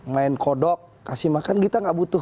main kodok kasih makan kita nggak butuh